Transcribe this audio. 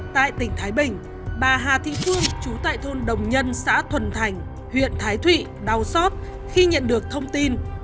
tại tỉnh thái bình bà hà thị phương trú tại thôn đồng nhân xã thuần thành huyện thái thụy đau xót khi nhận được thông tin